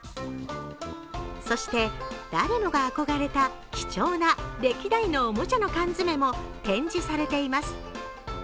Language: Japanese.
そして、誰もが憧れた、貴重な歴代のおもちゃのカンヅメも展示されています。